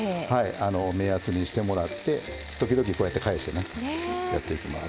目安にしてもらって時々こうやって返してねやっていきます。